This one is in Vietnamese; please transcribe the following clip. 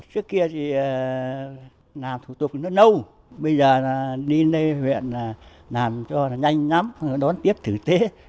trước kia thì làm thủ tục nó nâu bây giờ đi nơi huyện làm cho nó nhanh lắm đón tiếp thực tế